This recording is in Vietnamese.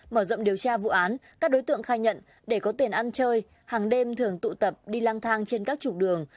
mở rộng điều tra vụ án các đối tượng khai nhận để có tiền ăn chơi hàng đêm thường tụ tập đi lang thang trên các trục đường